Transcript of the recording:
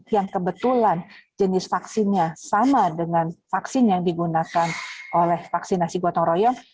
yang kebetulan jenis vaksinnya sama dengan vaksin yang digunakan oleh vaksinasi gotong royong